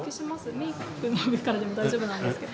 メイクの上からでも大丈夫なんですけど。